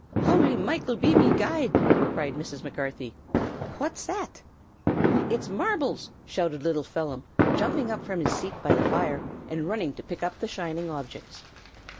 "Howly Michael be me guide!" cried Mrs. Macarthy; "phwhat's that?" "It's marvels! [marbles]" shouted little Phelim, jumping up from his seat by the fire and running to pick up the shining objects.